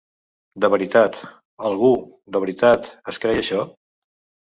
De veritat, algú, de veritat, es creia això?